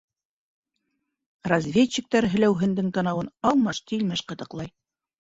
Разведчиктар һеләүһендең танауын алмаш-тилмәш ҡытыҡлай.